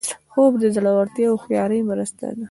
خوب د زړورتیا او هوښیارۍ مرسته ده